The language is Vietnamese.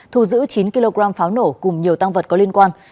thu giữ chín kg pháo nổ cùng nhiều tăng vật có liên quan